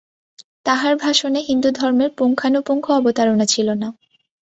তাঁহার ভাষণে হিন্দুধর্মের পুঙ্খানুপুঙ্খ অবতারণা ছিল না।